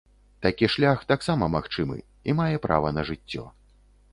Такі шлях таксама магчымы і мае права на жыццё.